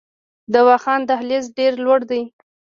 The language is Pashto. د واخان دهلیز ډیر لوړ دی